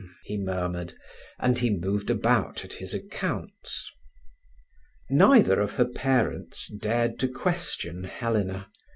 he murmured, and he moved about at his accounts. Neither of her parents dared to question Helena.